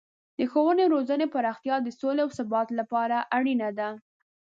د ښوونې او روزنې پراختیا د سولې او ثبات لپاره اړینه ده.